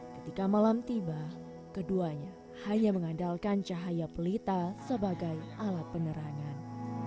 ketika malam tiba keduanya hanya mengandalkan cahaya pelita sebagai alat penerangan